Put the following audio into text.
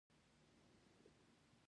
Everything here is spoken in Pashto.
د دې انقلاب ګټه د بشري ژوند ساتنه وه.